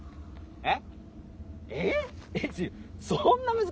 えっ。